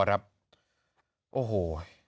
ครับโอ้โห